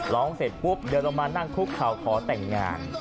ร้องเสร็จปุ๊บเดินลงมานั่งคุกเข่าขอแต่งงาน